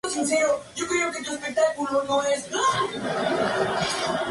El manto es de color amarillo anaranjado.